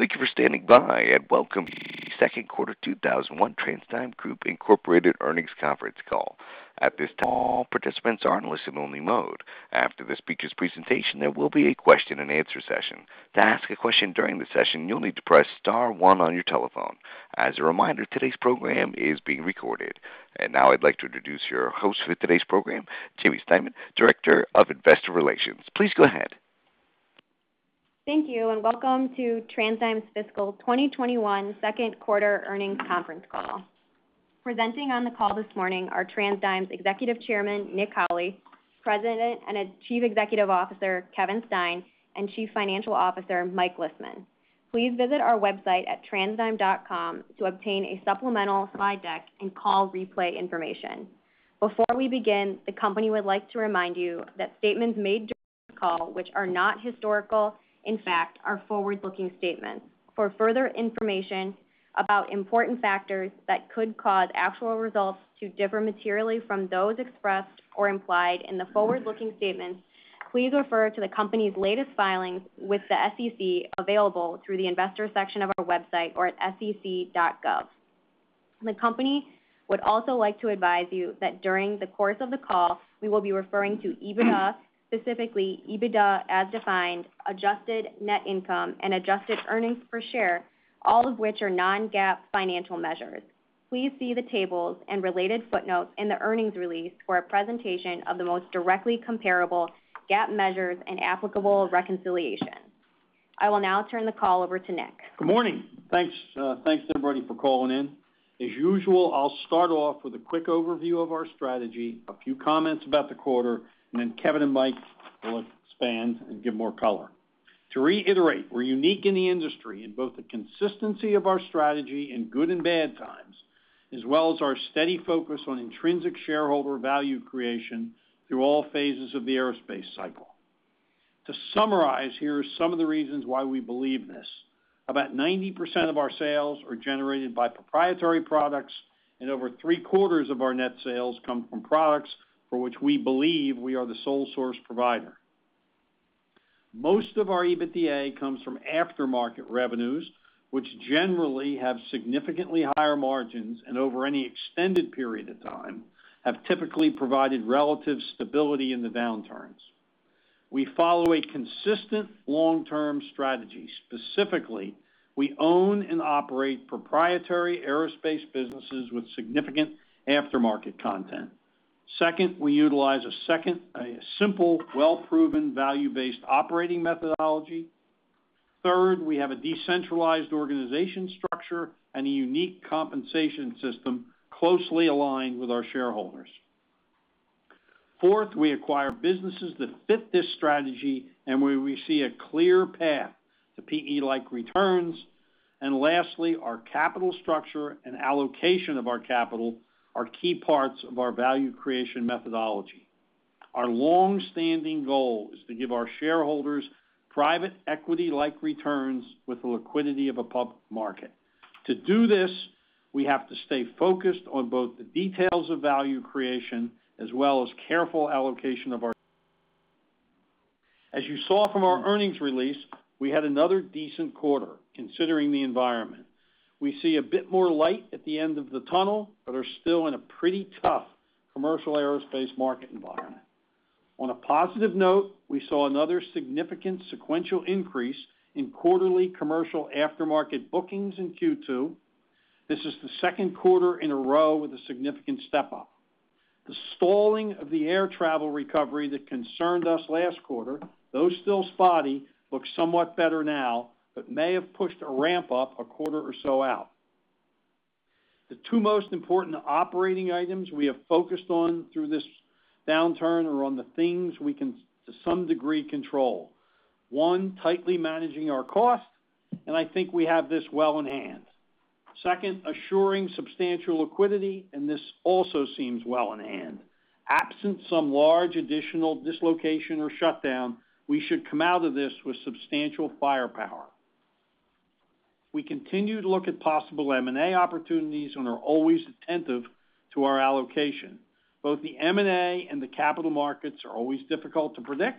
Thank you for standing by, and welcome to the second quarter 2021 TransDigm Group Incorporated earnings conference call. At this time, all participants are in listen-only mode. After the speakers' presentation, there will be a question-and-answer session. To ask a question during the session, you'll need to press star one on your telephone. As a reminder, today's program is being recorded. Now I'd like to introduce your host for today's program, Jaimie Stemen, Director of Investor Relations. Please go ahead. Thank you. Welcome to TransDigm's fiscal 2021 second quarter earnings conference call. Presenting on the call this morning are TransDigm's Executive Chairman, Nick Howley, President and Chief Executive Officer, Kevin Stein; and Chief Financial Officer, Mike Lisman. Please visit our website at transdigm.com to obtain a supplemental slide deck and call replay information. Before we begin, the company would like to remind you that statements made during this call, which are not historical, in fact are forward-looking statements. For further information about important factors that could cause actual results to differ materially from those expressed or implied in the forward-looking statements, please refer to the company's latest filings with the SEC, available through the investors section of our website or at sec.gov. The company would also like to advise you that during the course of the call we will be referring to EBITDA, specifically EBITDA as defined, adjusted net income, and adjusted earnings per share, all of which are non-GAAP financial measures. Please see the tables and related footnotes in the earnings release for a presentation of the most directly comparable GAAP measures and applicable reconciliation. I will now turn the call over to Nick. Good morning. Thanks, everybody, for calling in. As usual, I'll start off with a quick overview of our strategy and a few comments about the quarter, and then Kevin and Mike will expand and give more color. To reiterate, we're unique in the industry in both the consistency of our strategy in good and bad times and our steady focus on intrinsic shareholder value creation through all phases of the aerospace cycle. To summarize, here are some of the reasons why we believe this. About 90% of our sales are generated by proprietary products, and over three-quarters of our net sales come from products for which we believe we are the sole source provider. Most of our EBITDA comes from aftermarket revenues, which generally have significantly higher margins and, over any extended period of time, have typically provided relative stability in the downturns. We follow a consistent long-term strategy. Specifically, we own and operate proprietary aerospace businesses with significant aftermarket content. Second, we utilize a simple, well-proven, value-based operating methodology. Third, we have a decentralized organization structure and a unique compensation system closely aligned with our shareholders. Fourth, we acquire businesses that fit this strategy and where we see a clear path to PE-like returns. Lastly, our capital structure and allocation of our capital are key parts of our value creation methodology. Our longstanding goal is to give our shareholders private equity-like returns with the liquidity of a public market. To do this, we have to stay focused on both the details of value creation and careful allocation. As you saw from our earnings release, we had another decent quarter, considering the environment. We see a bit more light at the end of the tunnel but are still in a pretty tough commercial aerospace market environment. On a positive note, we saw another significant sequential increase in quarterly commercial aftermarket bookings in Q2. This is the second quarter in a row with a significant step-up. The stalling of the air travel recovery that concerned us last quarter, though still spotty, looks somewhat better now but may have pushed a ramp-up a quarter or so out. The two most important operating items we have focused on through this downturn are the things we can, to some degree, control. One, tightly managing our cost, and I think we have this well in hand. Second, assuring substantial liquidity, and this also seems well in hand. Absent some large additional dislocation or shutdown, we should come out of this with substantial firepower. We continue to look at possible M&A opportunities and are always attentive to our allocation. Both the M&A and the capital markets are always difficult to predict,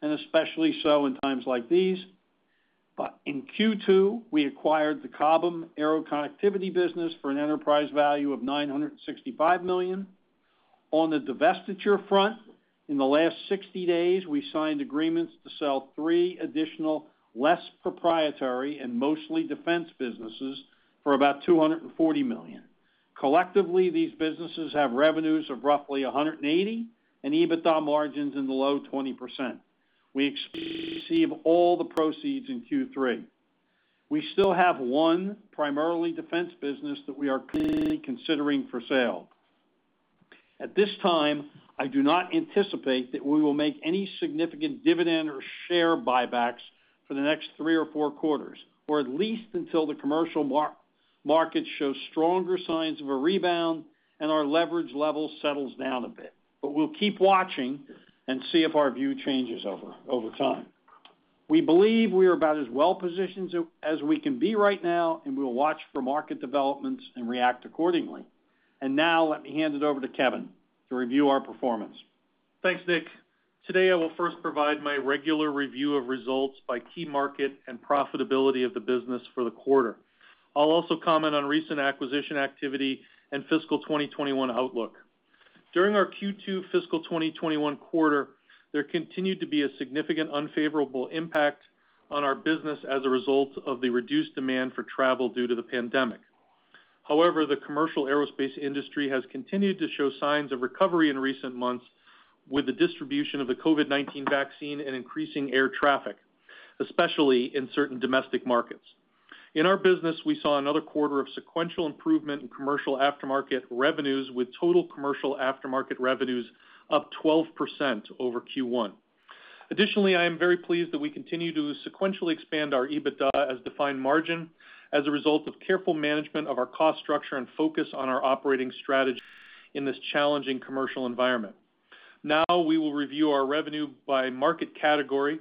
and especially so in times like these. In Q2, we acquired the Cobham Aero Connectivity business for an enterprise value of $965 million. On the divestiture front, in the last 60 days, we signed agreements to sell three additional, less proprietary, and mostly defense businesses for about $240 million. Collectively, these businesses have revenues of roughly $180 million and EBITDA margins in the low 20%. We expect to receive all the proceeds in Q3. We still have one primarily defense business that we are currently considering for sale. At this time, I do not anticipate that we will make any significant dividend or share buybacks for the next three or four quarters, or at least until the commercial market shows stronger signs of a rebound and our leverage level settles down a bit. But we'll keep watching and see if our view changes over time. We believe we are about as well-positioned as we can be right now, and we will watch for market developments and react accordingly. Now let me hand it over to Kevin to review our performance. Thanks, Nick. Today, I will first provide my regular review of results by key market and profitability of the business for the quarter. I'll also comment on recent acquisition activity and fiscal 2021 outlook. During our Q2 fiscal 2021 quarter, there continued to be a significant unfavorable impact on our business as a result of the reduced demand for travel due to the pandemic. However, the commercial aerospace industry has continued to show signs of recovery in recent months with the distribution of the COVID-19 vaccine and increasing air traffic, especially in certain domestic markets. In our business, we saw another quarter of sequential improvement in commercial aftermarket revenues with total commercial aftermarket revenues up 12% over Q1. Additionally, I am very pleased that we continue to sequentially expand our EBITDA as defined margin as a result of careful management of our cost structure and focus on our operating strategy in this challenging commercial environment. We will review our revenue by market category.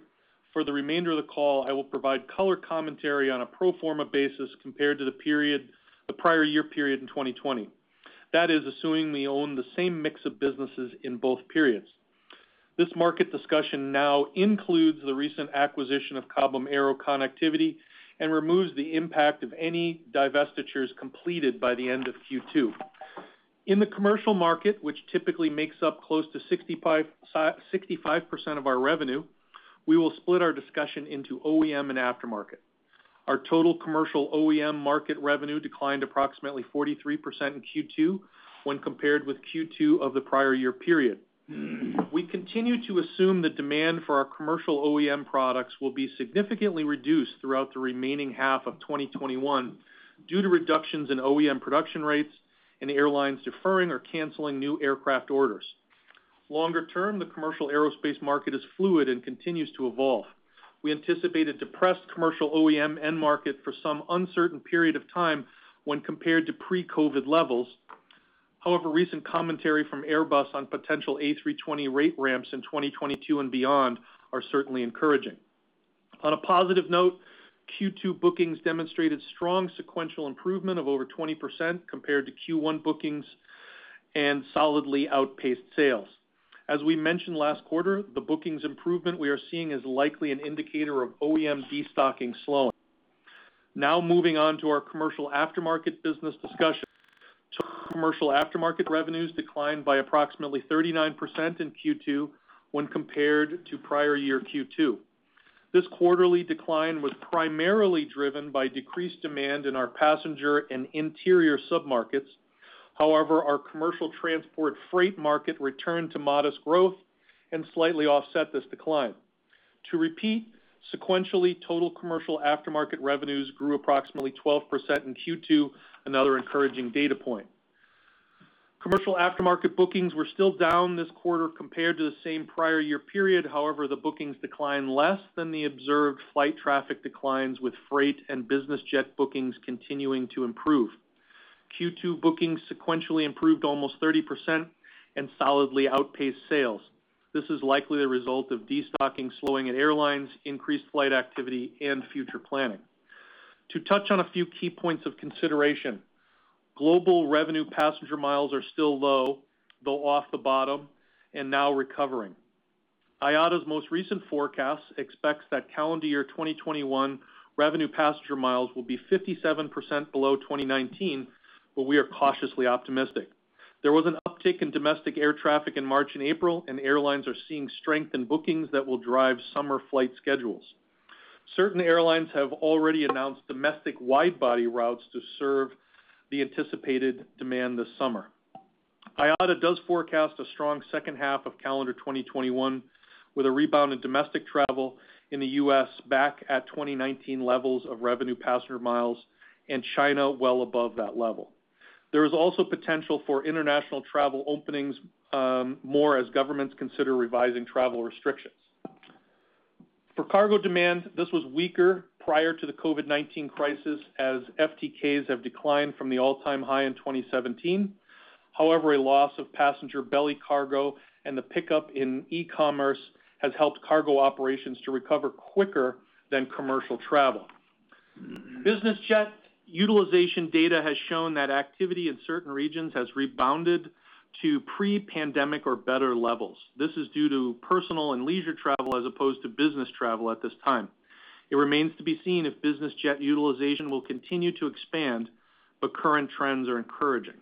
For the remainder of the call, I will provide color commentary on a pro forma basis compared to the prior year period in 2020. That is assuming we own the same mix of businesses in both periods. This market discussion now includes the recent acquisition of Cobham Aero Connectivity and removes the impact of any divestitures completed by the end of Q2. In the commercial market, which typically makes up close to 65% of our revenue, we will split our discussion into OEM and aftermarket. Our total commercial OEM market revenue declined approximately 43% in Q2 when compared with Q2 of the prior year period. We continue to assume the demand for our commercial OEM products will be significantly reduced throughout the remaining half of 2021 due to reductions in OEM production rates and airlines deferring or canceling new aircraft orders. Longer term, the commercial aerospace market is fluid and continues to evolve. We anticipate a depressed commercial OEM end market for some uncertain period of time when compared to pre-COVID levels. However, recent commentary from Airbus on potential A320 rate ramps in 2022 and beyond are certainly encouraging. On a positive note, Q2 bookings demonstrated strong sequential improvement of over 20% compared to Q1 bookings and solidly outpaced sales. As we mentioned last quarter, the bookings improvement we are seeing is likely an indicator of OEM destocking slowing. Now moving on to our commercial aftermarket business discussion. Total commercial aftermarket revenues declined by approximately 39% in Q2 when compared to prior year Q2. This quarterly decline was primarily driven by decreased demand in our passenger and interior sub-markets. However, our commercial transport freight market returned to modest growth and slightly offset this decline. To repeat, sequentially, total commercial aftermarket revenues grew approximately 12% in Q2, another encouraging data point. Commercial aftermarket bookings were still down this quarter compared to the same prior year period. However, the bookings declined less than the observed flight traffic declines, with freight and business jet bookings continuing to improve. Q2 bookings sequentially improved almost 30% and solidly outpaced sales. This is likely the result of destocking slowing at airlines, increased flight activity, and future planning. To touch on a few key points of consideration, global revenue passenger miles are still low, though off the bottom and now recovering. IATA's most recent forecast expects that calendar year 2021 revenue passenger miles will be 57% below 2019, but we are cautiously optimistic. There was an uptick in domestic air traffic in March and April, and airlines are seeing strength in bookings that will drive summer flight schedules. Certain airlines have already announced domestic wide-body routes to serve the anticipated demand this summer. IATA does forecast a strong second half of calendar 2021 with a rebound in domestic travel in the U.S. back at 2019 levels of revenue passenger miles and China well above those levels. There is also potential for international travel openings more as governments consider revising travel restrictions. For cargo demand, this was weaker prior to the COVID-19 crisis, as FTKs have declined from the all-time high in 2017. A loss of passenger belly cargo and the pickup in e-commerce have helped cargo operations to recover quicker than commercial travel. Business jet utilization data has shown that activity in certain regions has rebounded to pre-pandemic or better levels. This is due to personal and leisure travel as opposed to business travel at this time. It remains to be seen if business jet utilization will continue to expand, but current trends are encouraging.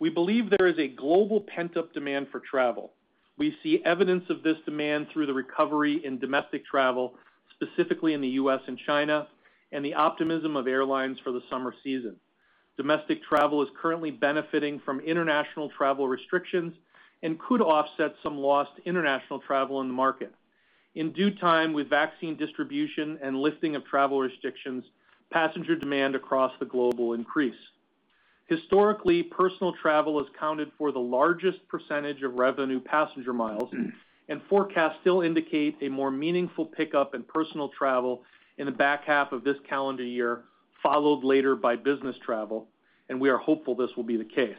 We believe there is a global pent-up demand for travel. We see evidence of this demand through the recovery in domestic travel, specifically in the U.S. and China, and the optimism of airlines for the summer season. Domestic travel is currently benefiting from international travel restrictions and could offset some lost international travel in the market. In due time, with vaccine distribution and lifting of travel restrictions, passenger demand across the globe will increase. Historically, personal travel has accounted for the largest percentage of revenue passenger miles, and forecasts still indicate a more meaningful pickup in personal travel in the back half of this calendar year, followed later by business travel, and we are hopeful this will be the case.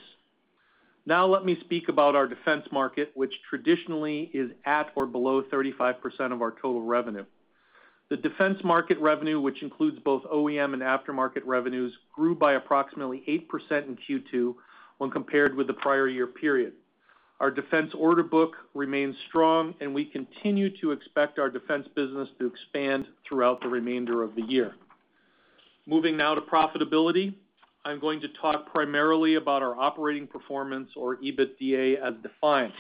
Let me speak about our defense market, which traditionally is at or below 35% of our total revenue. The defense market revenue, which includes both OEM and aftermarket revenues, grew by approximately 8% in Q2 when compared with the prior-year period. Our defense order book remains strong, and we continue to expect our defense business to expand throughout the remainder of the year. Moving now to profitability. I'm going to talk primarily about our operating performance or EBITDA as defined.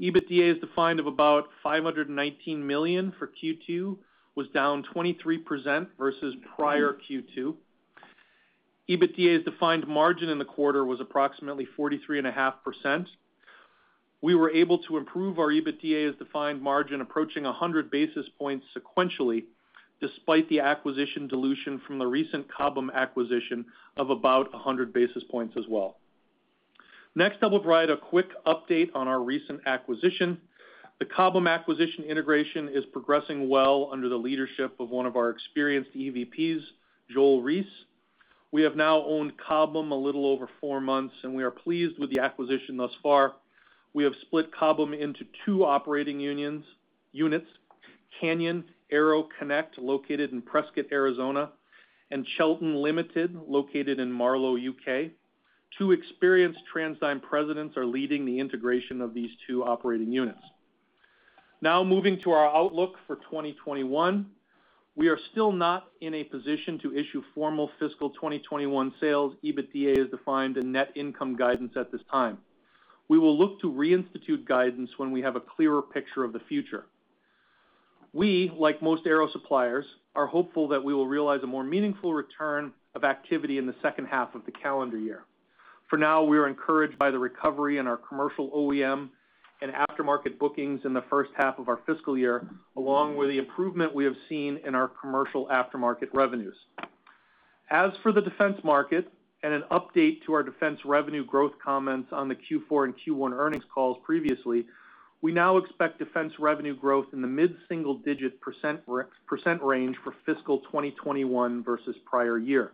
EBITDA, as defined as about $519 million for Q2, was down 23% versus prior Q2. EBITDA, as defined by margin in the quarter, was approximately 43.5%. We were able to improve our EBITDA as a defined margin approaching 100 basis points sequentially, despite the acquisition dilution from the recent Cobham acquisition of about 100 basis points as well. Next, I will provide a quick update on our recent acquisition. The Cobham acquisition integration is progressing well under the leadership of one of our experienced EVPs, Joel Reiss. We have now owned Cobham a little over four months, and we are pleased with the acquisition thus far. We have split Cobham into two operating units, Canyon AeroConnect, located in Prescott, Arizona, and Chelton Limited, located in Marlow, U.K. Two experienced TransDigm presidents are leading the integration of these two operating units. Moving to our outlook for 2021. We are still not in a position to issue formal fiscal 2021 sales, EBITDA as defined, and net income guidance at this time. We will look to reinstitute guidance when we have a clearer picture of the future. We, like most aero suppliers, are hopeful that we will realize a more meaningful return of activity in the second half of the calendar year. We are encouraged by the recovery in our commercial OEM and aftermarket bookings in the first half of our fiscal year, along with the improvement we have seen in our commercial aftermarket revenues. As for the defense market and an update to our defense revenue growth comments on the Q4 and Q1 earnings calls previously, we now expect defense revenue growth in the mid-single-digit percent range for fiscal 2021 versus prior year.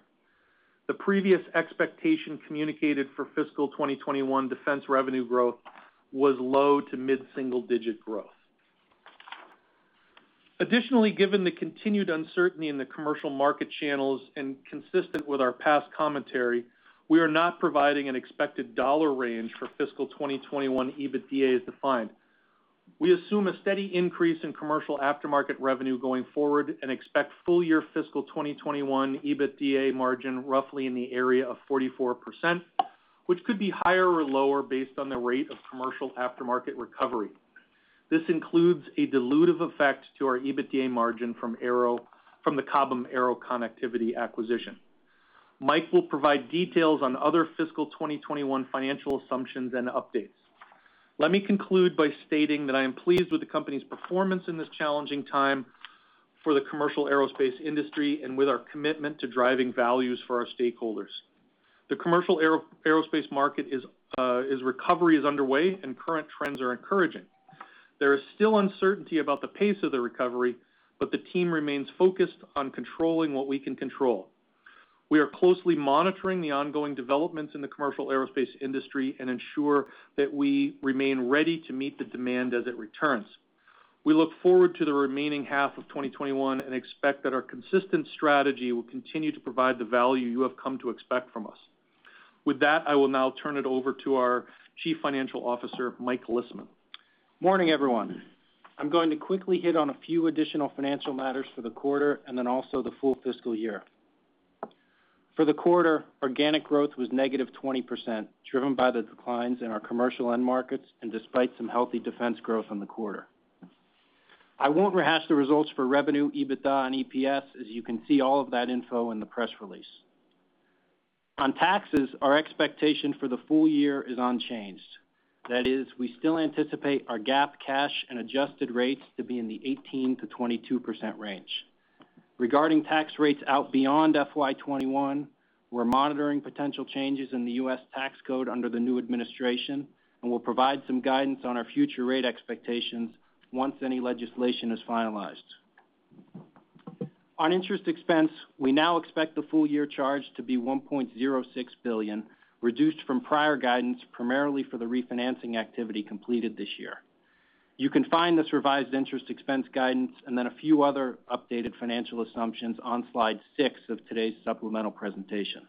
The previous expectation communicated for fiscal 2021 defense revenue growth was low- to mid-single-digit growth. Additionally, given the continued uncertainty in the commercial market channels and consistent with our past commentary, we are not providing an expected dollar range for fiscal 2021 EBITDA as defined. We assume a steady increase in commercial aftermarket revenue going forward and expect the full-year fiscal 2021 EBITDA margin roughly in the area of 44%, which could be higher or lower based on the rate of commercial aftermarket recovery. This includes a dilutive effect to our EBITDA margin from the Cobham Aero Connectivity acquisition. Mike will provide details on other fiscal 2021 financial assumptions and updates. Let me conclude by stating that I am pleased with the company's performance in this challenging time for the commercial aerospace industry and with our commitment to driving values for our stakeholders. The commercial aerospace market is recovery is underway and current trends are encouraging. There is still uncertainty about the pace of the recovery, but the team remains focused on controlling what we can control. We are closely monitoring the ongoing developments in the commercial aerospace industry and ensure that we remain ready to meet the demand as it returns. We look forward to the remaining half of 2021 and expect that our consistent strategy will continue to provide the value you have come to expect from us. With that, I will now turn it over to our Chief Financial Officer, Mike Lisman. Morning, everyone. I'm going to quickly hit on a few additional financial matters for the quarter and also the full fiscal year. For the quarter, organic growth was -20%, driven by the declines in our commercial end markets and despite some healthy defense growth in the quarter. I won't rehash the results for revenue, EBITDA, and EPS, as you can see all of that info in the press release. On taxes, our expectation for the full year is unchanged. That is, we still anticipate our GAAP cash and adjusted rates to be in the 18%-22% range. Regarding tax rates out beyond FY 2021, we're monitoring potential changes in the U.S. tax code under the new administration, and we'll provide some guidance on our future rate expectations once any legislation is finalized. On interest expense, we now expect the full year charge to be $1.06 billion, reduced from prior guidance primarily for the refinancing activity completed this year. You can find this revised interest expense guidance and then a few other updated financial assumptions on slide six of today's supplemental presentation.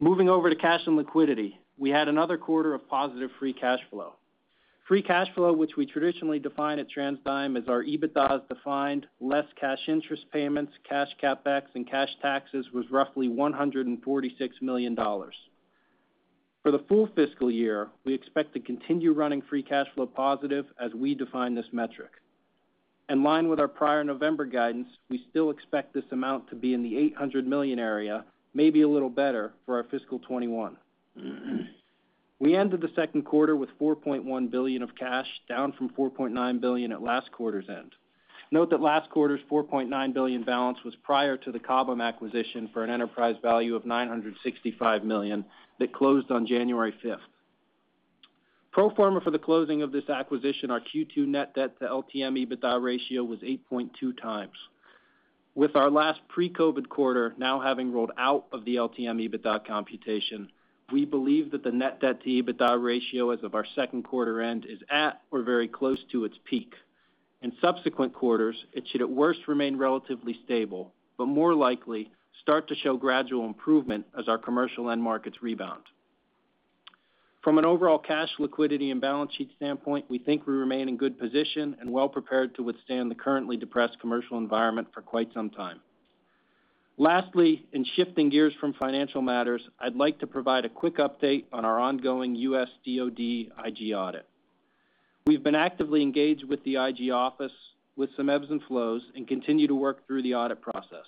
Moving over to cash and liquidity, we had another quarter of positive free cash flow. Free cash flow, which we traditionally define at TransDigm as our EBITDA as defined, less cash interest payments, cash CapEx, and cash taxes was roughly $146 million. For the full fiscal year, we expect to continue running free cash flow positive as we define this metric. In line with our prior November guidance, we still expect this amount to be in the $800 million area, maybe a little better for our fiscal 2021. We ended the second quarter with $4.1 billion of cash, down from $4.9 billion at last quarter's end. Note that last quarter's $4.9 billion balance was prior to the Cobham acquisition for an enterprise value of $965 million that closed on January 5th. Pro forma for the closing of this acquisition, our Q2 net debt to LTM EBITDA ratio was 8.2x. With our last pre-COVID-19 quarter now having rolled out of the LTM EBITDA computation, we believe that the net debt to EBITDA ratio as of our second quarter end is at or very close to its peak. In subsequent quarters, it should at worst remain relatively stable but more likely start to show gradual improvement as our commercial end markets rebound. From an overall cash liquidity and balance sheet standpoint, we think we remain in a good position and are well prepared to withstand the currently depressed commercial environment for quite some time. In shifting gears from financial matters, I'd like to provide a quick update on our ongoing U.S. DOD IG audit. We've been actively engaged with the IG office with some ebbs and flows and continue to work through the audit process.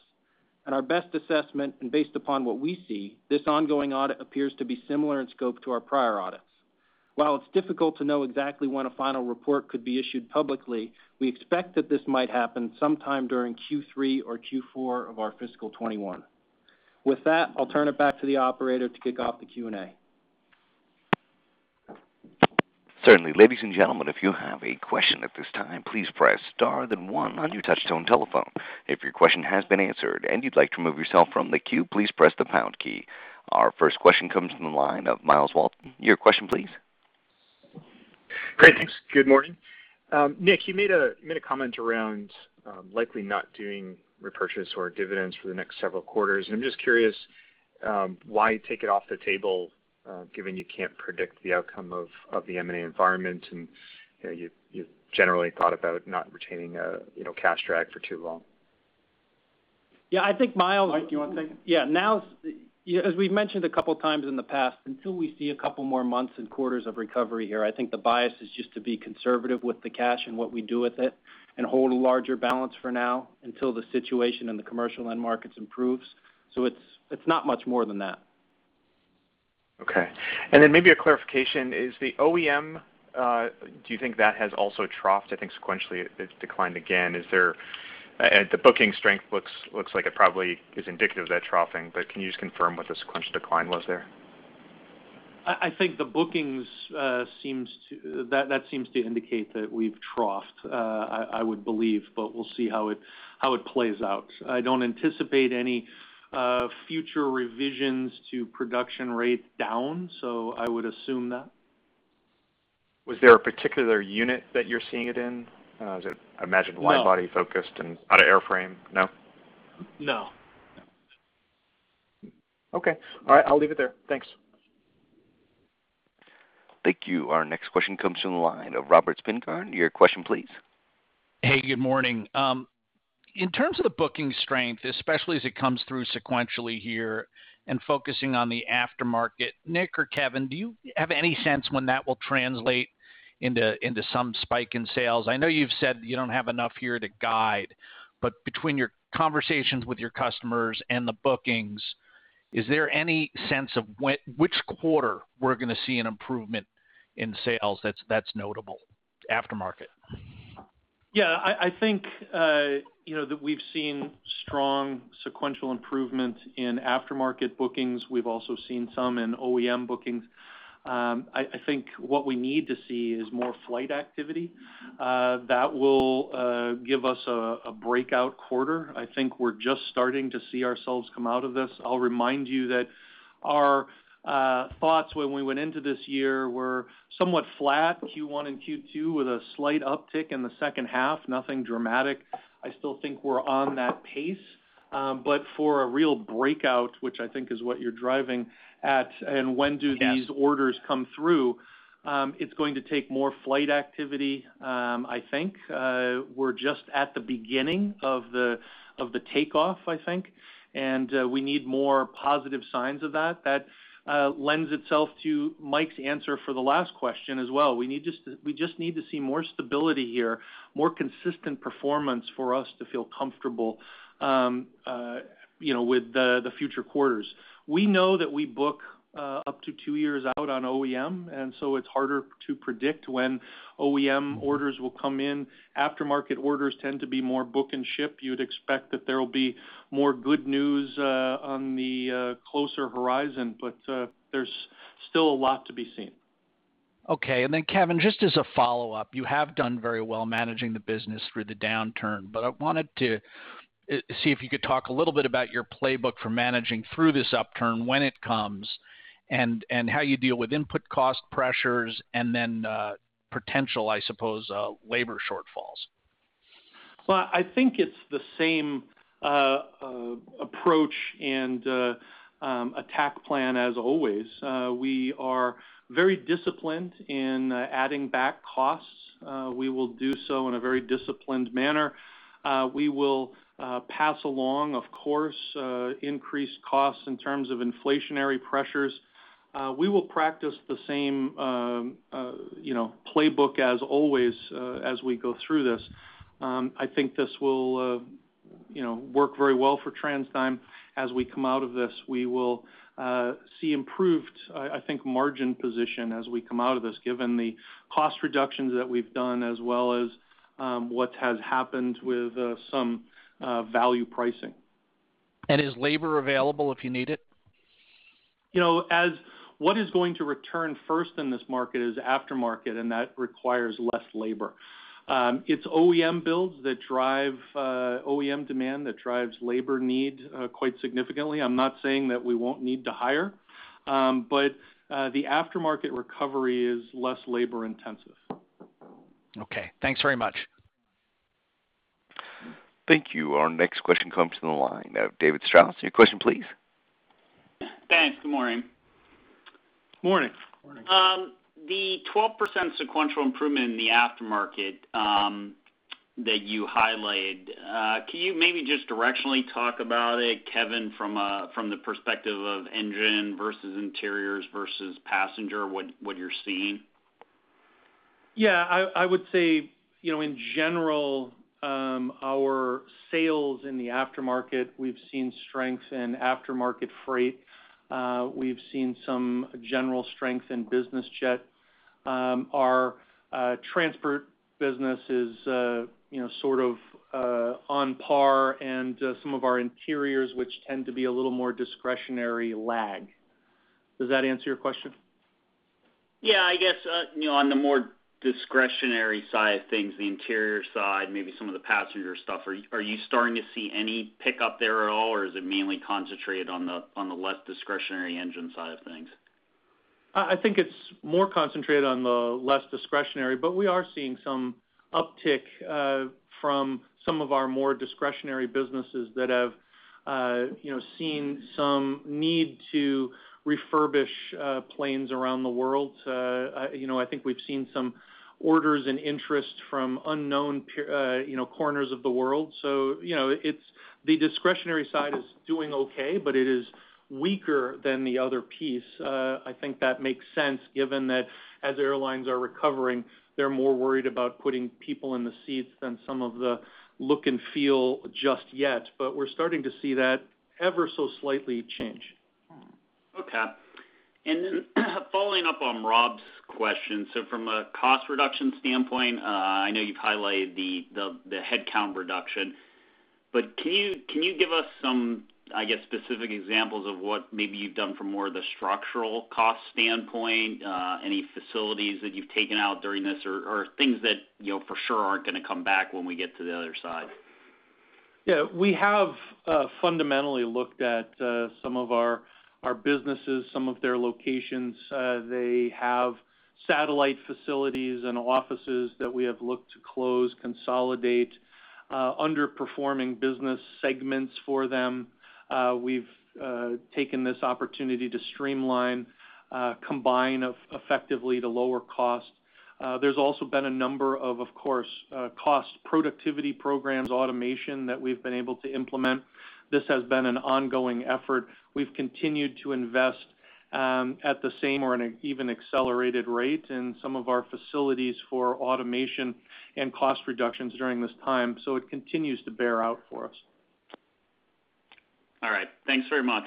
At our best assessment and based upon what we see, this ongoing audit appears to be similar in scope to our prior audits. While it's difficult to know exactly when a final report could be issued publicly, we expect that this might happen sometime during Q3 or Q4 of our FY21. I'll turn it back to the operator to kick off the Q&A. Our first question comes from the line of Myles Walton. Your question, please. Great, thanks. Good morning. Nick, you made a comment around likely not doing repurchases or dividends for the next several quarters, and I'm just curious why you'd take it off the table, given you can't predict the outcome of the M&A environment and you've generally thought about not retaining a cash drag for too long. Yeah, I think. Mike, do you want to take it? Yeah. As we've mentioned a couple of times in the past, until we see a couple more months and quarters of recovery here, I think the bias is just to be conservative with the cash and what we do with it and hold a larger balance for now until the situation in the commercial end markets improves. It's not much more than that. Okay. Maybe a clarification: is the OEM, do you think that has also troughed? I think sequentially it's declined again. The booking strength looks like it probably is indicative of that troughing, but can you just confirm what the sequential decline was there? I think the bookings, which seem to indicate that we've troughed, I would believe, but we'll see how it plays out. I don't anticipate any future revisions to the production rate going down, so I would assume that. Was there a particular unit that you're seeing it in? I imagine— No wide body focused and out of airframe? No? No. Okay. All right, I'll leave it there. Thanks. Thank you. Our next question comes from the line of Robert Spingarn. Your question, please. Hey, good morning. In terms of the booking strength, especially as it comes through sequentially here and focusing on the aftermarket, Nick or Kevin, do you have any sense when that will translate into some spike in sales? I know you've said that you don't have enough here to guide; between your conversations with your customers and the bookings, is there any sense of which quarter we're going to see an improvement in sales that's notable, aftermarket? Yeah. I think that we've seen strong sequential improvement in aftermarket bookings. We've also seen some in OEM bookings. I think what we need to see is more flight activity. That will give us a breakout quarter. I think we're just starting to see ourselves come out of this. I'll remind you that our thoughts when we went into this year were somewhat flat, Q1 and Q2, with a slight uptick in the second half. Nothing dramatic. I still think we're on that pace. For a real breakout, which I think is what you're driving at, and when do these orders come through, it's going to take more flight activity, I think. We're just at the beginning of the takeoff, I think, and we need more positive signs of that. That lends itself to Mike's answer for the last question as well. We just need to see more stability here, more consistent performance for us to feel comfortable with the future quarters. We know that we book up to two years out on OEM, and so it's harder to predict when OEM orders will come in. Aftermarket orders tend to be more book and ship. You'd expect that there will be more good news on the closer horizon, but there's still a lot to be seen. Okay. Kevin, just as a follow-up, you have done very well managing the business through the downturn, but I wanted to see if you could talk a little bit about your playbook for managing through this upturn when it comes, and how you deal with input cost pressures and then potential, I suppose, labor shortfalls. Well, I think it's the same approach and attack plan as always. We are very disciplined in adding back costs. We will do so in a very disciplined manner. We will pass along, of course, increased costs in terms of inflationary pressures. We will practice the same playbook as always as we go through this. I think this will work very well for TransDigm as we come out of this. We will see improved, I think, margin position as we come out of this, given the cost reductions that we've done as well as what has happened with some value pricing. Is labor available if you need it? As what is going to return first in this market is aftermarket, and that requires less labor. It's OEM builds that drive OEM demand, which drives labor needs quite significantly. I'm not saying that we won't need to hire, but the aftermarket recovery is less labor-intensive. Okay. Thanks very much. Thank you. Our next question comes from the line of David Strauss. Your question, please. Thanks. Good morning. Morning. Morning. The 12% sequential improvement in the aftermarket that you highlighted, can you maybe just directionally talk about it, Kevin, from the perspective of engines versus interiors versus passengers, what you're seeing? Yeah. I would say, in general, our sales in the aftermarket; we've seen strength in aftermarket freight. We've seen some general strength in business jets. Our transport business is sort of on par, and some of our interiors, which tend to be a little more discretionary, lag. Does that answer your question? Yeah, I guess, on the more discretionary side of things, the interior side, maybe some of the passenger stuff. Are you starting to see any pickup there at all, or is it mainly concentrated on the less discretionary engine side of things? I think it's more concentrated on the less discretionary, but we are seeing some uptick from some of our more discretionary businesses that have seen some need to refurbish planes around the world. I think we've seen some orders and interest from unknown corners of the world. The discretionary side is doing okay, but it is weaker than the other piece. I think that makes sense given that as airlines are recovering, they're more worried about putting people in the seats than some of the look and feel just yet. We're starting to see that ever so slightly change. Okay. Following up on Rob's question, from a cost reduction standpoint, I know you've highlighted the headcount reduction, can you give us some, I guess, specific examples of what maybe you've done from more of the structural cost standpoint? Any facilities that you've taken out during this, or things that you know for sure aren't going to come back when we get to the other side? Yeah. We have fundamentally looked at some of our businesses and some of their locations. They have satellite facilities and offices that we have looked to close and consolidate underperforming business segments for them. We've taken this opportunity to streamline and combine effectively to lower cost. There's also been a number of, of course, cost productivity programs and automation that we've been able to implement. This has been an ongoing effort. We've continued to invest at the same or an even accelerated rate in some of our facilities for automation and cost reductions during this time. It continues to bear out for us. All right. Thanks very much.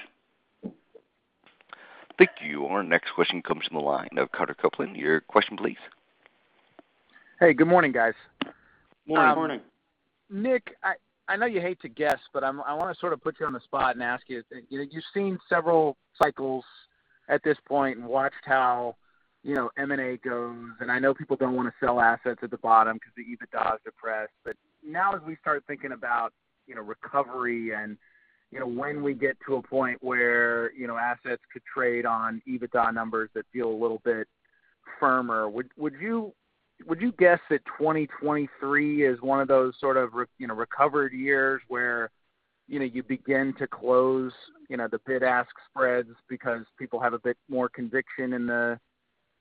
Thank you. Our next question comes from the line of Carter Copeland. Your question, please. Hey, good morning, guys. Morning. Morning. Nick, I know you hate to guess. I want to sort of put you on the spot and ask you. You've seen several cycles at this point and watched how M&A goes, and I know people don't want to sell assets at the bottom because the EBITDA is depressed. Now, as we start thinking about recovery and when we get to a point where assets could trade on EBITDA numbers that feel a little bit firmer, would you guess that 2023 is one of those sorts of recovered years where you begin to close the bid-ask spreads because people have a bit more conviction in the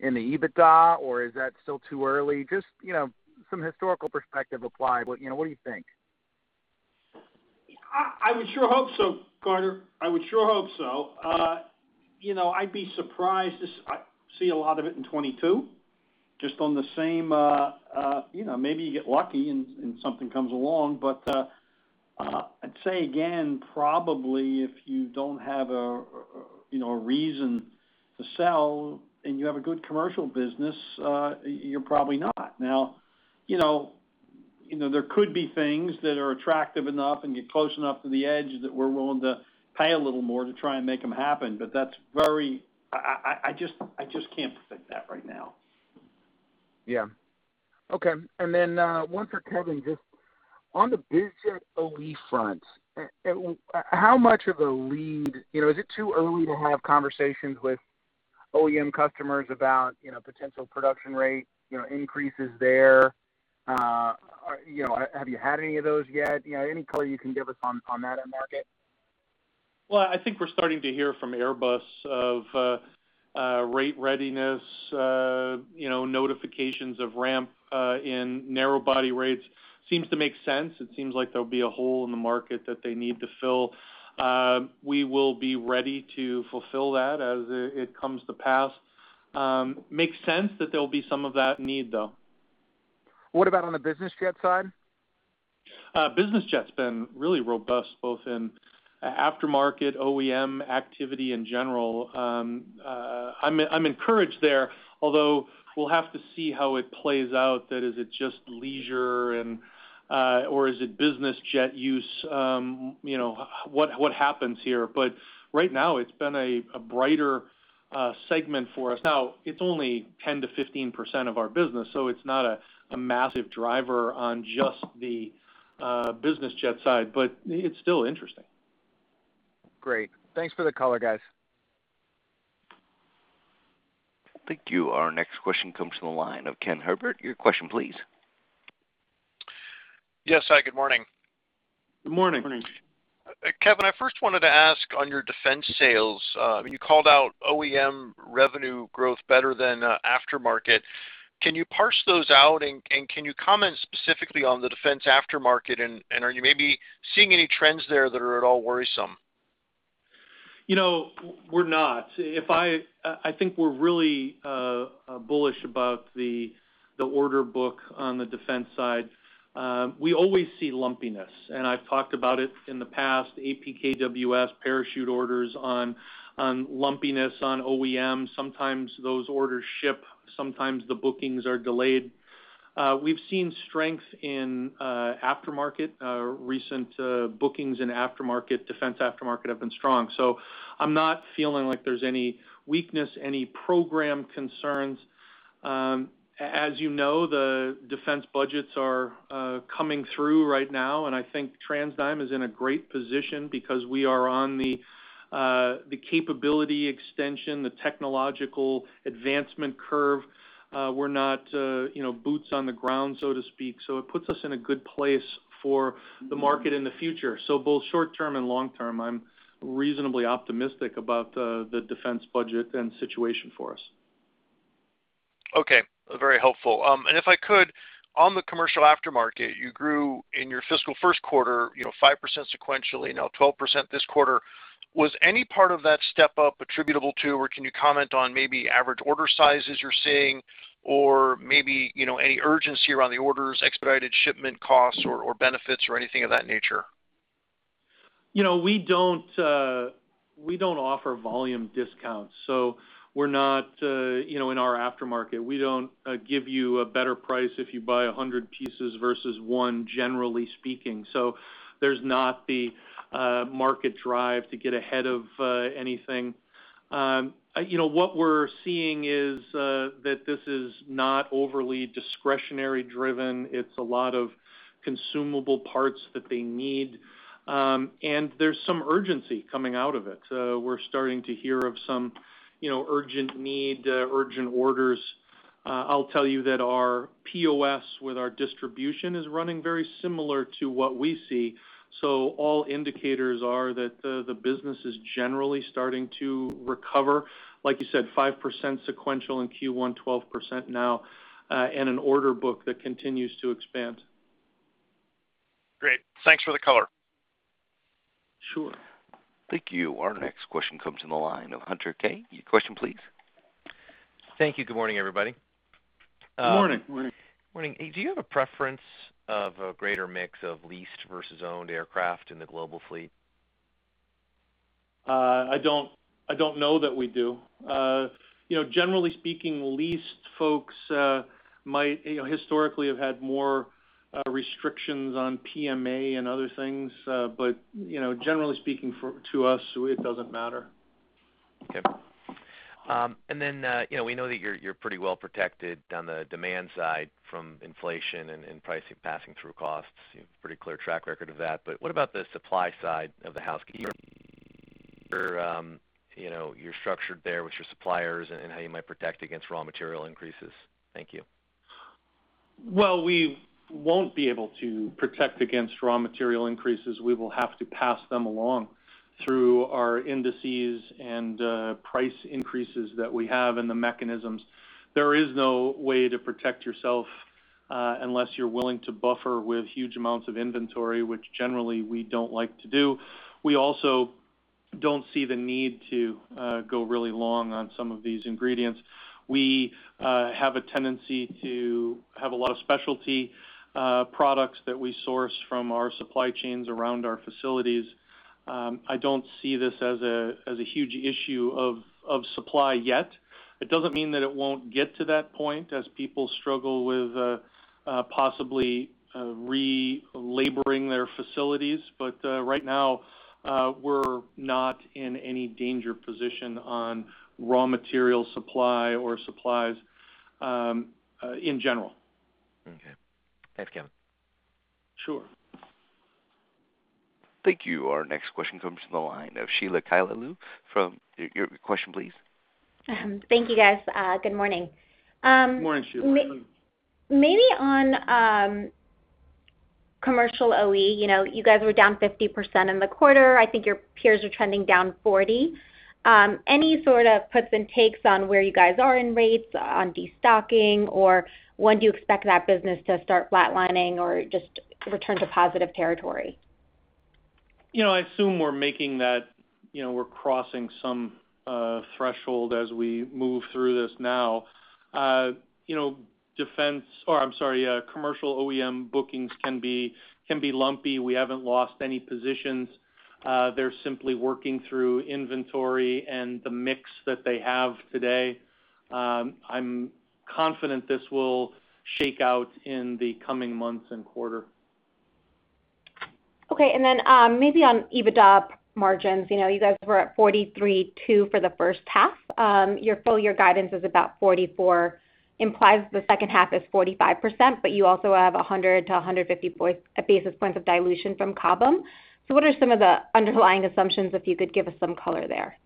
EBITDA, or is that still too early? Just some historical perspective applied; what do you think? I would sure hope so, Carter. I would sure hope so. I'd be surprised to see a lot of it in 2022, just on the same maybe you get lucky and something comes along, but I'd say again, probably if you don't have a reason to sell and you have a good commercial business, you're probably not. There could be things that are attractive enough and get close enough to the edge that we're willing to pay a little more to try and make them happen. I just can't predict that right now. Yeah. Okay. One for Kevin, just on the biz jet OE front, is it too early to have conversations with OEM customers about potential production rate increases there? Have you had any of those yet? Any color you can give us on that end market? Well, I think we're starting to hear from Airbus of rate readiness, notifications of ramp in narrow-body rates. Seems to make sense. It seems like there'll be a hole in the market that they need to fill. We will be ready to fulfill that as it comes to pass. Makes sense that there'll be some of that need, though. What about on the business jet side? Business jets have been really robust, both in aftermarket and OEM activity in general. I'm encouraged there, although we'll have to see how it plays out; that is, is it just leisure or is it business jet use? What happens here? Right now it's been a brighter segment for us. It's only 10%-15% of our business, so it's not a massive driver on just the business jet side, but it's still interesting. Great. Thanks for the color, guys. Thank you. Our next question comes from the line of Ken Herbert. Your question, please. Yes. Hi, good morning. Good morning. Morning. Kevin, I first wanted to ask about your defense sales; you called out OEM revenue growth better than aftermarket. Can you parse those out and can you comment specifically on the defense aftermarket, and are you maybe seeing any trends there that are at all worrisome? We're not. I think we're really bullish about the order book on the defense side. We always see lumpiness, and I've talked about it in the past: APKWS parachute orders on lumpiness on OEM. Sometimes those orders ship; sometimes the bookings are delayed. We've seen strength in the aftermarket. Recent bookings in the defense aftermarket have been strong. I'm not feeling like there's any weakness or any program concerns. As you know, the defense budgets are coming through right now, and I think TransDigm is in a great position because we are on the capability extension and the technological advancement curve. We're not boots on the ground, so to speak. It puts us in a good place for the market in the future. Both short-term and long-term, I'm reasonably optimistic about the defense budget and situation for us. Okay. Very helpful. If I could, in the commercial aftermarket, you grew in your fiscal first quarter by 5% sequentially and now 12% this quarter. Was any part of that step-up attributable to, or can you comment on maybe average order sizes you're seeing or maybe any urgency around the orders, expedited shipment costs or benefits, or anything of that nature? We don't offer volume discounts in our aftermarket. We don't give you a better price if you buy 100 pieces versus one, generally speaking. There's not the market drive to get ahead of anything. What we're seeing is that this is not overly discretionary driven. It's a lot of consumable parts that they need. There's some urgency coming out of it. We're starting to hear of some urgent needs, urgent orders. I'll tell you that our POS with our distribution is running very similar to what we see. All indicators are that the business is generally starting to recover. Like you said, 5% sequential in Q1, 12% now, and an order book that continues to expand. Great. Thanks for the color. Sure. Thank you. Our next question comes from the line of Hunter Keay. Your question, please. Thank you. Good morning, everybody. Good morning. Morning. Morning. Do you have a preference for a greater mix of leased versus owned aircraft in the global fleet? I don't know that we do. Generally speaking, leased folks might historically have had more restrictions on PMA and other things. Generally speaking, to us, it doesn't matter. Okay. We know that you're pretty well protected on the demand side from inflation and passing through pricing costs. You have a pretty clear track record of that. What about the supply side of the house? Can you share your structure there with your suppliers and how you might protect against raw material increases? Thank you. We won't be able to protect against raw material increases. We will have to pass them along through our indices and price increases that we have and the mechanisms. There is no way to protect yourself unless you're willing to buffer with huge amounts of inventory, which generally we don't like to do. We also don't see the need to go really long on some of these ingredients. We have a tendency to have a lot of specialty products that we source from our supply chains around our facilities. I don't see this as a huge issue of supply yet. It doesn't mean that it won't get to that point as people struggle with possibly re-laboring their facilities. Right now, we're not in any dangerous position on raw material supply or supplies in general. Okay. Thanks, Kevin. Sure. Thank you. Our next question comes from the line of Sheila Kahyaoglu. Your question, please. Thank you, guys. Good morning. Good morning, Sheila. Maybe on commercial OE, you guys were down 50% in the quarter. I think your peers are trending down 40%. Any sort of puts and takes on where you guys are in rates on destocking, or when do you expect that business to start flatlining or just return to positive territory? I assume we're crossing some threshold as we move through this now. Commercial OEM bookings can be lumpy. We haven't lost any positions. They're simply working through inventory and the mix that they have today. I'm confident this will shake out in the coming months and quarter. Okay, maybe on EBITDA margins. You guys were at 43.2% for the first half. Your full-year guidance is about 44%, implying the second half is 45%, but you also have 100-150 basis points of dilution from Cobham. What are some of the underlying assumptions, if you could give us some color there?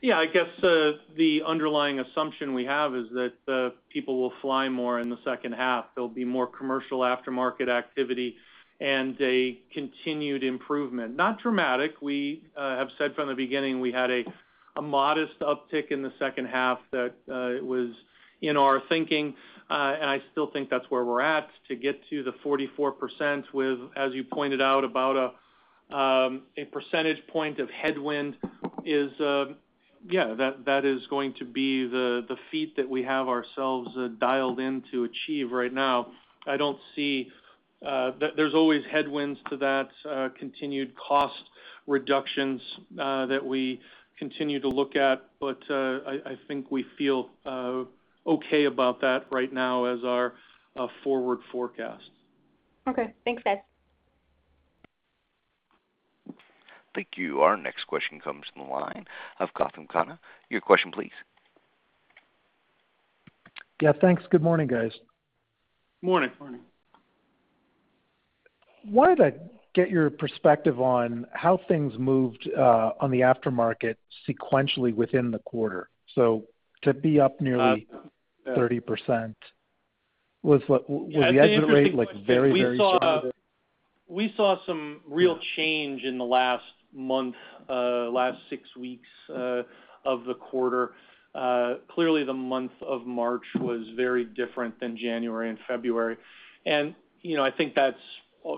Yeah, I guess; the underlying assumption we have is that people will fly more in the second half. There will be more commercial aftermarket activity and a continued improvement. Not dramatic. We have said from the beginning we had a modest uptick in the second half; that was in our thinking. I still think that's where we're at to get to the 44% with, as you pointed out, about a percentage point of headwind is, yeah, that is going to be the feat that we have ourselves dialed in to achieve right now. There are always headwinds to that, continued cost reductions that we continue to look at. I think we feel okay about that right now as our forward forecast. Okay. Thanks, guys. Thank you. Our next question comes from the line of Gautam Khanna. Your question, please. Yeah, thanks. Good morning, guys. Morning. Morning. Wanted to get your perspective on how things moved on the aftermarket sequentially within the quarter. To be up nearly 30%, was the exit rate very, very similar? We saw some real change in the last month, the last six weeks, of the quarter. Clearly, the month of March was very different from January and February. I think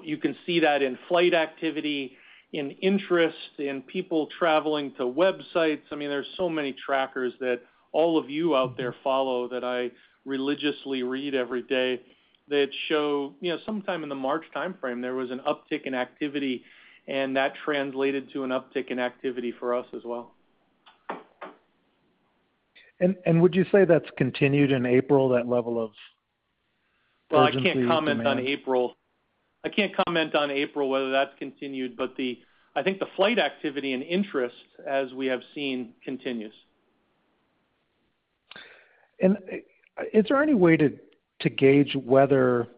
you can see that in flight activity, in interest, and in people traveling to websites. There are so many trackers that all of you out there follow that I religiously read every day that show, sometime in the March timeframe, there was an uptick in activity, and that translated to an uptick in activity for us as well. Would you say that's continued in April, that level of urgency and demand? I can't comment on April or whether that's continued, but I think the flight activity and interest as we have seen continue. Is there any way to gauge whether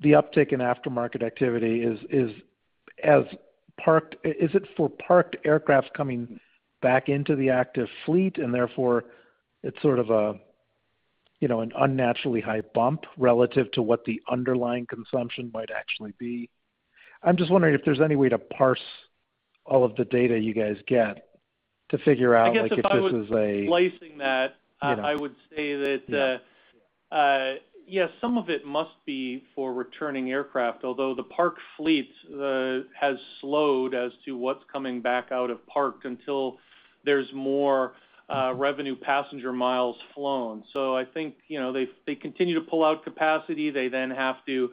the uptick in aftermarket activity is it for parked aircraft coming back into the active fleet and, therefore, it's sort of an unnaturally high bump relative to what the underlying consumption might actually be? I'm just wondering if there's any way to parse all of the data you guys get to figure out, like, if this is. I guess I was slicing that. You know. I would say that, yes, some of it must be for returning aircraft, although the parked fleet has slowed as to what's coming back out of park until there's more revenue passenger miles flown. I think they continue to pull out capacity. They then have to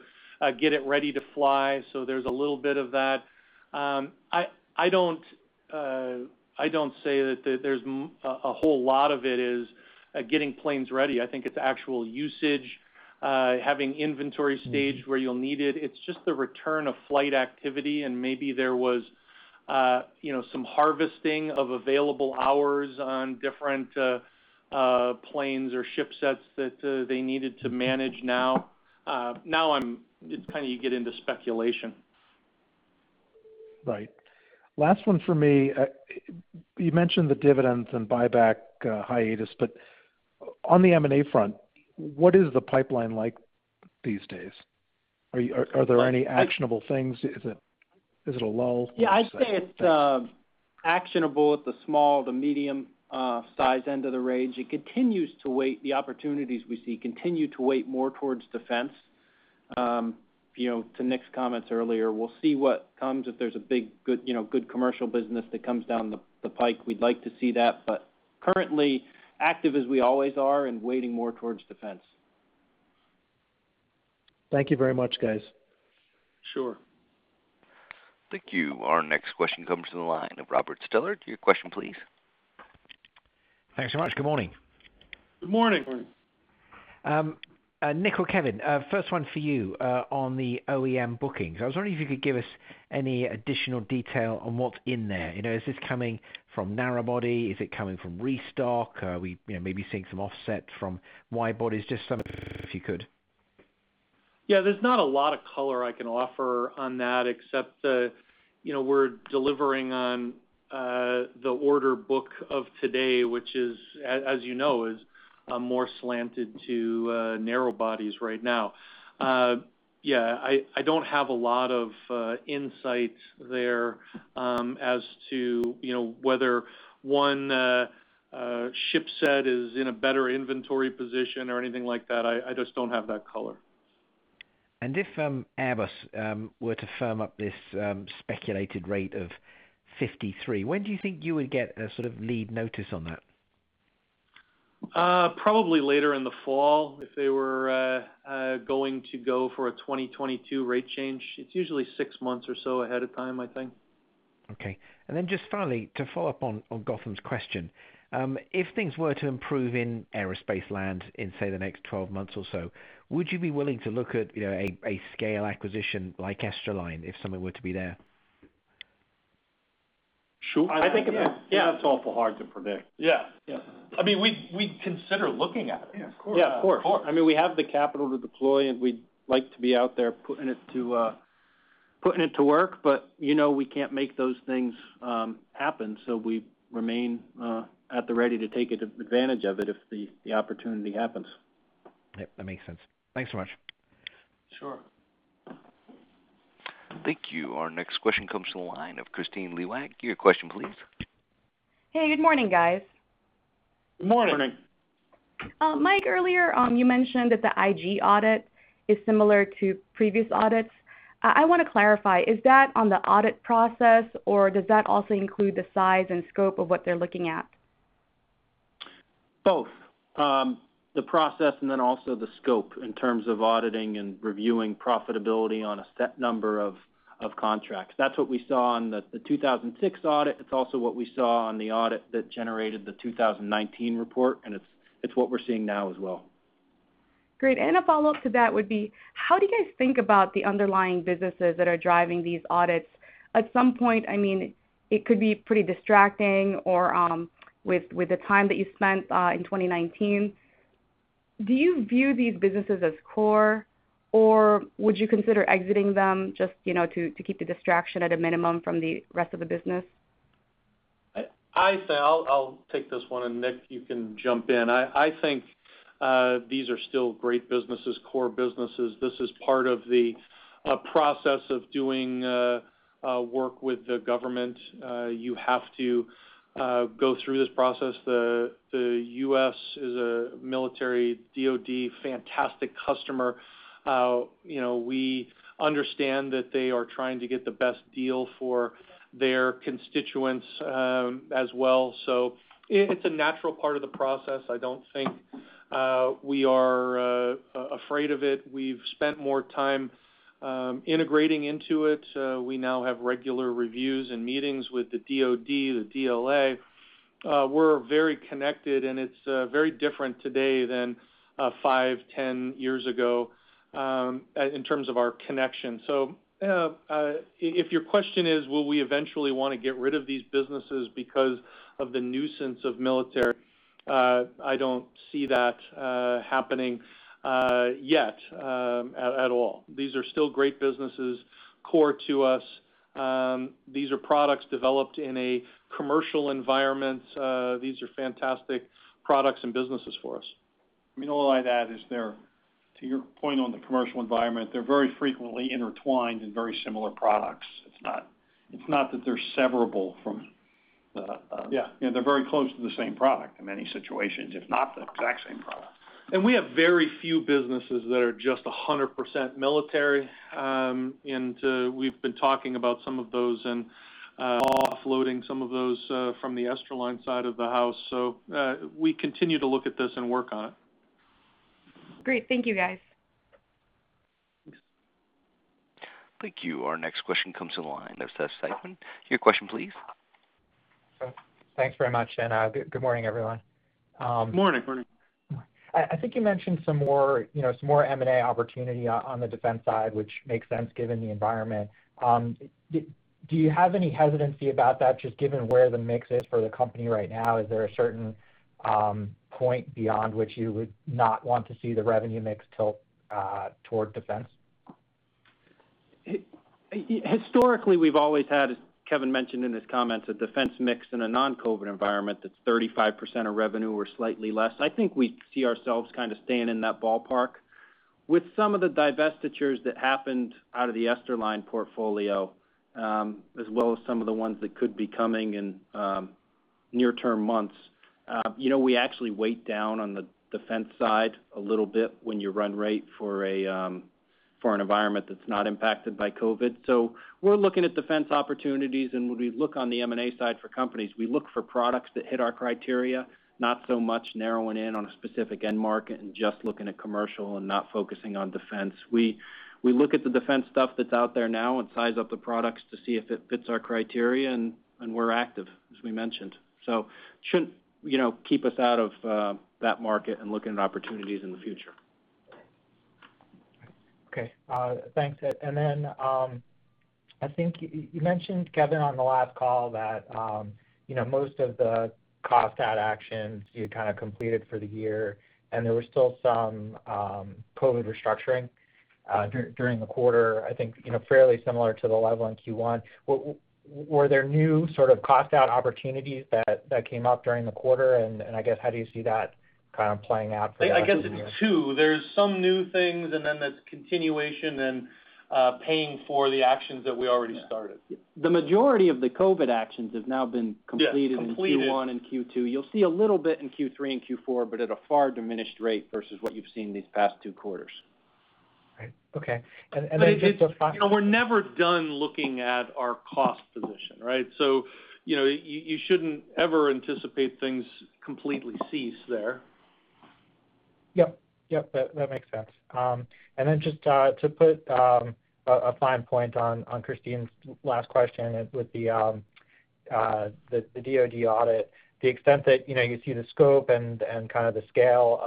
get it ready to fly. There's a little bit of that. I don't say that there's a whole lot of it is getting planes ready. I think it's actual usage, having inventory staged where you'll need it. It's just the return of flight activity, and maybe there was some harvesting of available hours on different planes or ship sets that they needed to manage now. Now you get into speculation. Right. Last one for me. You mentioned the dividends and buyback hiatus. On the M&A front, what is the pipeline like these days? Are there any actionable things? Is it a lull per se? Thanks. Yeah, I'd say it's actionable at the small- to medium-size end of the range. The opportunities we see continue to weigh more towards defense. To Nick's comments earlier, we'll see what comes if there's a big, good commercial business that comes down the pike. We'd like to see that, currently active as we always are and weighing more towards defense. Thank you very much, guys. Sure. Thank you. Our next question comes from the line of Robert Stallard. Your question, please. Thanks so much. Good morning. Good morning. Morning. Nick or Kevin, first one for you, on the OEM bookings. I was wondering if you could give us any additional detail on what's in there. Is this coming from narrow body? Is it coming from restock? Are we maybe seeing some offset from wide bodies? Just some, if you could. There's not a lot of color I can offer on that except that we're delivering on the order book of today, which, as you know, is more slanted to narrow bodies right now. I don't have a lot of insight there as to whether one ship set is in a better inventory position or anything like that. I just don't have that color. If Airbus were to firm up this speculated rate of 53, when do you think you would get a sort of lead notice on that? Probably later in the fall, if they were going to go for a 2022 rate change. It's usually six months or so ahead of time, I think. Okay. Just finally, to follow up on Gautam's question, if things were to improve in aerospace land in, say, the next 12 months or so, would you be willing to look at a scale acquisition like Esterline if something were to be available? Sure. I think that's awful hard to predict. Yeah. Yeah. We'd consider looking at it. Yeah, of course. Yeah, of course. We have the capital to deploy, and we'd like to be out there putting it to work. We can't make those things happen, so we remain at the ready to take advantage of it if the opportunity happens. Yep, that makes sense. Thanks so much. Sure. Thank you. Our next question comes to the line of Kristine Liwag. Your question, please. Hey, good morning, guys. Good morning. Morning. Mike, earlier, you mentioned that the IG audit is similar to previous audits. I want to clarify, is that on the audit process, or does that also include the size and scope of what they're looking at? Both. The process and then also the scope in terms of auditing and reviewing profitability on a set number of contracts. That's what we saw on the 2006 audit. It's also what we saw on the audit that generated the 2019 report, and it's what we're seeing now as well. Great. How do you guys think about the underlying businesses that are driving these audits? At some point, it could be pretty distracting, or with the time that you spent in 2019. Do you view these businesses as core, or would you consider exiting them just to keep the distraction at a minimum from the rest of the business? I'll take this one, Nick; you can jump in. I think these are still great businesses, core businesses. This is part of the process of doing work with the government. You have to go through this process. The U.S. military DOD is a fantastic customer. We understand that they are trying to get the best deal for their constituents as well. It's a natural part of the process. I don't think we are afraid of it. We've spent more time integrating into it. We now have regular reviews and meetings with the DOD, the DLA. We're very connected; it's very different today than five or 10 years ago in terms of our connection. If your question is, will we eventually want to get rid of these businesses because of the nuisance of military? I don't see that happening yet at all. These are still great businesses, core to us. These are products developed in a commercial environment. These are fantastic products and businesses for us. All I'd add is to your point on the commercial environment: they're very frequently intertwined and very similar products. It's not that they're severable from the. Yeah they're very close to the same product in many situations, if not the exact same product. We have very few businesses that are just 100% military. We've been talking about some of those and offloading some of those from the Esterline side of the house. We continue to look at this and work on it. Great. Thank you, guys. Thank you. Our next question comes to the line of Seth Seifman. Your question, please. Thanks very much, and good morning, everyone. Morning. Morning. I think you mentioned some more M&A opportunities on the defense side, which makes sense given the environment. Do you have any hesitancy about that, just given where the mix is for the company right now? Is there a certain point beyond which you would not want to see the revenue mix tilt toward defense? Historically, we've always had, as Kevin mentioned in his comments, a defense mix in a non-COVID environment that's 35% of revenue or slightly less. I think we see ourselves kind of staying in that ballpark. With some of the divestitures that happened out of the Esterline portfolio, as well as some of the ones that could be coming in near-term months, we actually weigh down on the defense side a little bit when you run rate for an environment that's not impacted by COVID. We're looking at defense opportunities, and when we look on the M&A side for companies, we look for products that hit our criteria, not so much narrowing in on a specific end market and just looking at commercial and not focusing on defense. We look at the defense stuff that's out there now and size up the products to see if it fits our criteria, and we're active, as we mentioned. Shouldn't keep us out of that market and looking at opportunities in the future. Okay. Thanks. I think you mentioned, Kevin, on the last call that most of the cost-out actions you kind of completed for the year, and there were still some COVID-19 restructuring during the quarter, I think fairly similar to the level in Q1. Were there new sort of cost-out opportunities that came up during the quarter? I guess how do you see that kind of playing out for the rest of the year? I guess it's two. There's some new things, and then there's continuation and paying for the actions that we already started. The majority of the COVID actions have now been completed. Yes, completed. in Q1 and Q2. You'll see a little bit in Q3 and Q4, but at a far diminished rate versus what you've seen these past two quarters. Right. Okay. We're never done looking at our cost position, right? You shouldn't ever anticipate things completely cease there. Yep. That makes sense. Just to put a fine point on Kristine's last question with the DOD audit, the extent that you see the scope and kind of the scale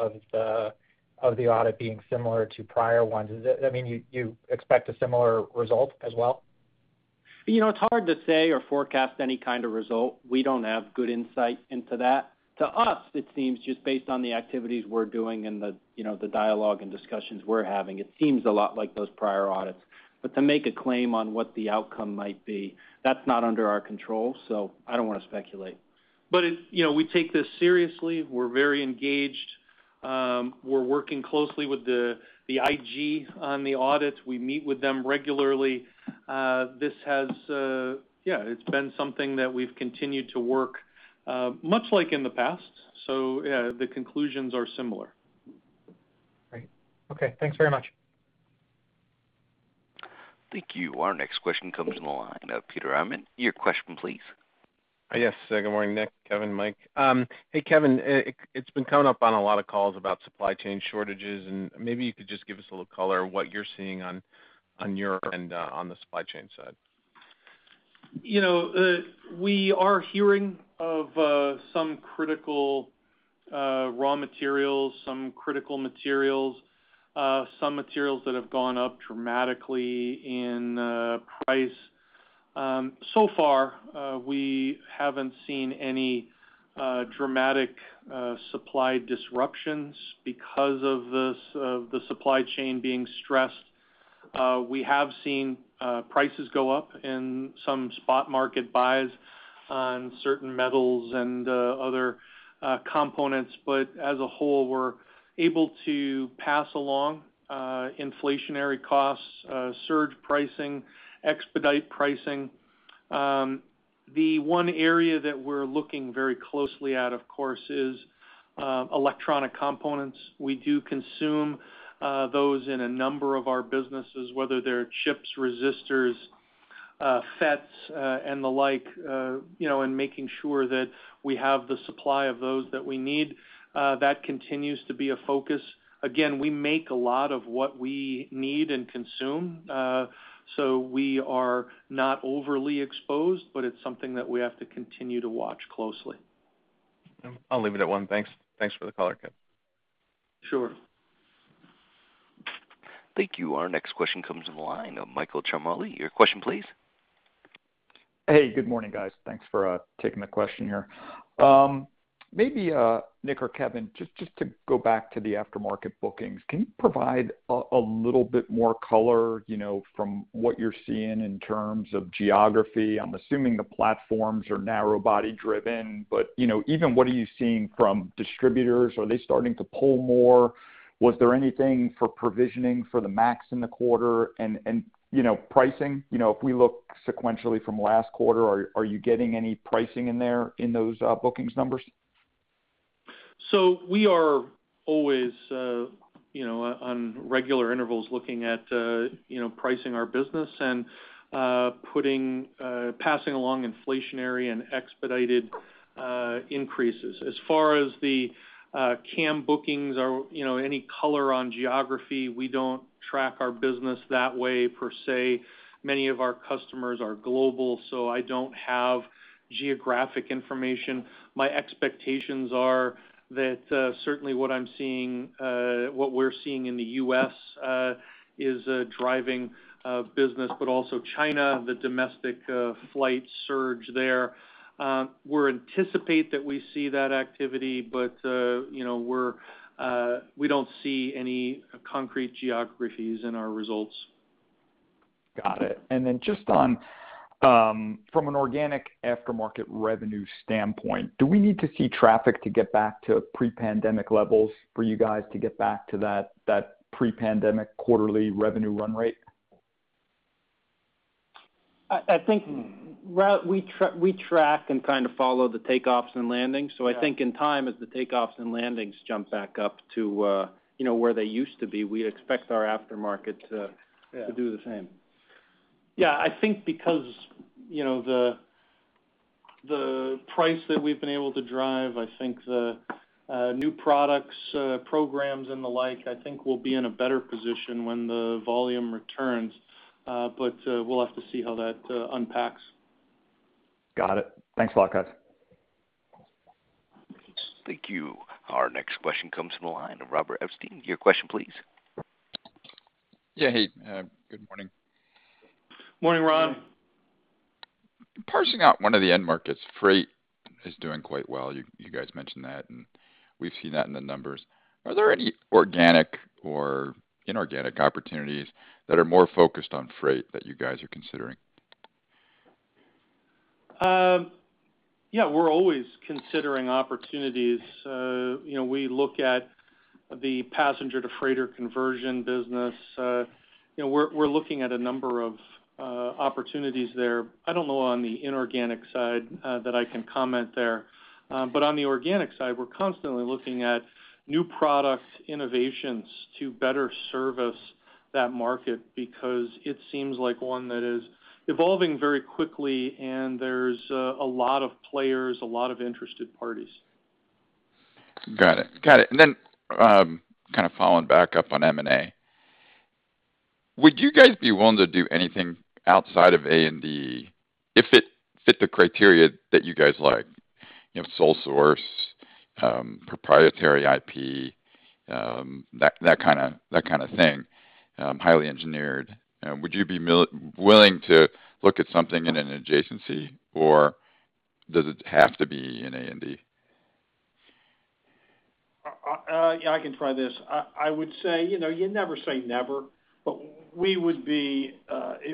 of the audit being similar to prior ones, does that mean you expect a similar result as well? It's hard to say or forecast any kind of result. We don't have good insight into that. To us, it seems just based on the activities we're doing and the dialogue and discussions we're having, it seems a lot like those prior audits. To make a claim on what the outcome might be, that's not under our control, so I don't want to speculate. We take this seriously. We're very engaged. We're working closely with the IG on the audit. We meet with them regularly. It's been something that we've continued to work, much like in the past. The conclusions are similar. Great. Okay. Thanks very much. Thank you. Our next question comes on the line of Peter Arment. Your question, please. Yes. Good morning, Nick, Kevin, Mike. Hey, Kevin. It's been coming up on a lot of calls about supply chain shortages, and maybe you could just give us a little color on what you're seeing on your end on the supply chain side. We are hearing of some critical raw materials, some critical materials, and some materials that have gone up dramatically in price. So far, we haven't seen any dramatic supply disruptions because of the supply chain being stressed. We have seen prices go up in some spot market buys on certain metals and other components; as a whole, we're able to pass along inflationary costs, surge pricing, expedite pricing. The one area that we're looking very closely at, of course, is electronic components. We do consume those in a number of our businesses, whether they're chips, resistors, FETs, and the like, making sure that we have the supply of those that we need. That continues to be a focus. Again, we make a lot of what we need and consume. We are not overly exposed, it's something that we have to continue to watch closely. I'll leave it at one. Thanks. Thanks for the color, Kevin. Sure. Thank you. Our next question comes on the line of Michael Ciarmoli. Your question, please. Hey, good morning, guys. Thanks for taking the question here. Maybe Nick or Kevin, just to go back to the aftermarket bookings. Can you provide a little bit more color from what you're seeing in terms of geography? I'm assuming the platforms are narrow body driven, but even what are you seeing from distributors, are they starting to pull more? Was there anything for provisioning for the MAX in the quarter and pricing? If we look sequentially from last quarter, are you getting any pricing in there in those bookings numbers? We are always, on regular intervals, looking at pricing our business and passing along inflationary and expedited increases. As far as the CAM bookings or any color on geography, we don't track our business that way, per se. Many of our customers are global, so I don't have geographic information. My expectations are that certainly what we're seeing in the U.S. is driving business, but also China, the domestic flight surge there. We anticipate that we see that activity, but we don't see any concrete geographies in our results. Got it. Then just from an organic aftermarket revenue standpoint, do we need to see traffic to get back to pre-pandemic levels for you guys to get back to that pre-pandemic quarterly revenue run rate? I think we track and kind of follow the takeoffs and landings. I think in time, as the takeoffs and landings jump back up to where they used to be, we expect our aftermarket to do the same. Yeah, I think because the price that we've been able to drive, I think the new products, programs, and the like will put us in a better position when the volume returns. We'll have to see how that unpacks. Got it. Thanks a lot, guys. Thank you. Our next question comes from the line of Ronald Epstein. Your question, please. Yeah. Hey, good morning. Morning, Ron. Parsing out one of the end markets, freight is doing quite well. You guys mentioned that, and we've seen that in the numbers. Are there any organic or inorganic opportunities that are more focused on freight that you guys are considering? Yeah, we're always considering opportunities. We look at the passenger-to-freighter conversion business. We're looking at a number of opportunities there. I don't know on the inorganic side that I can comment there. On the organic side, we're constantly looking at new products, innovations to better service that market because it seems like one that is evolving very quickly, and there's a lot of players, a lot of interested parties. Got it. Then, kind of following back up on M&A. Would you guys be willing to do anything outside of A&D if it fit the criteria that you guys like, sole source, proprietary IP, that kind of thing, highly engineered? Would you be willing to look at something in an adjacency, or does it have to be in A&D? I can try this. I would say, you never say never. It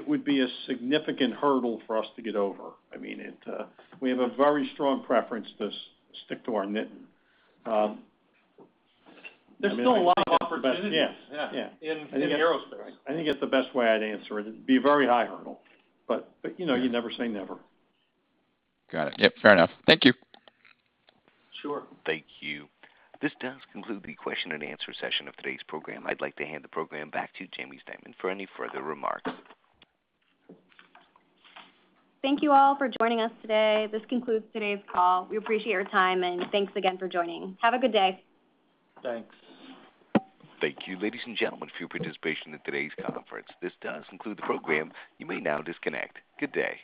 would be a significant hurdle for us to get over. We have a very strong preference to stick to our knitting. There's still a lot of opportunities in aerospace. I think that's the best way I'd answer it. It'd be a very high hurdle, but you never say never. Got it. Yep, fair enough. Thank you. Sure. Thank you. This does conclude the question and answer session of today's program. I'd like to hand the program back to Jaimie Stemen for any further remarks. Thank you all for joining us today. This concludes today's call. We appreciate your time, and thanks again for joining. Have a good day. Thanks. Thank you, ladies and gentlemen, for your participation in today's conference. This does conclude the program. You may now disconnect. Good day.